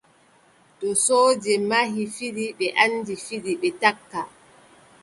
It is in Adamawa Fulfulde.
To sooje mahi fiɗi, ɓe anndi fiɗi, ɓe takka.